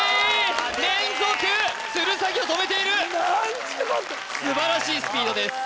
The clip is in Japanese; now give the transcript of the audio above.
連続鶴崎を止めている何ちゅうこと素晴らしいスピードです